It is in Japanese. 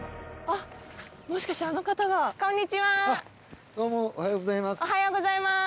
あっどうもおはようございます。